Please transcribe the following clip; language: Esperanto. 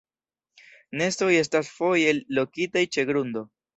Nestoj estas foje lokitaj ĉe grundo.